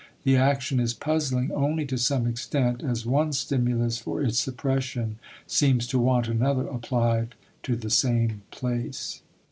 The action is puzzling only to some extent as one stimulus for its suppression seems to want another applied to the same place.